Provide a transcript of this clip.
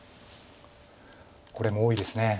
これも多いです